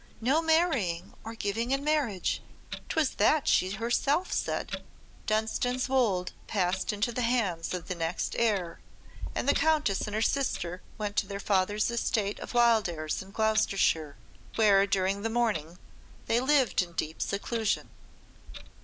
"'No marrying or giving in marriage,' 'twas that she herself said." Dunstan's Wolde passed into the hands of the next heir, and the countess and her sister went to their father's estate of Wildairs in Gloucestershire, where, during the mourning, they lived in deep seclusion.